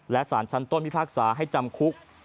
และสารชั้นต้นพิพากษาให้จำคุก